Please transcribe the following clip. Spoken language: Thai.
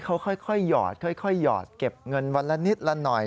แต่นี่เขาค่อยหยอดเก็บเงินวันละนิดละหน่อย